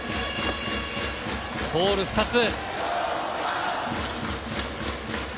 ボール２つ。